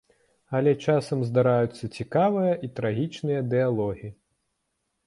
Але часам здараюцца цікавыя і трагічныя дыялогі.